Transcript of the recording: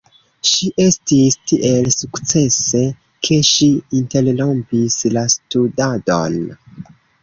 Ŝi estis tiel sukcese, ke ŝi interrompis la studadon.